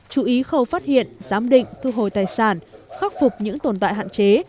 chú ý khâu phát hiện giám định thu hồi tài sản khắc phục những tồn tại hạn chế